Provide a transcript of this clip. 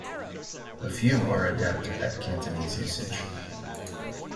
A few are adept at Cantonese usage.